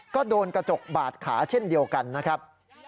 ก็โดนกระจกบาดขาเช่นเดียวกันนะครับ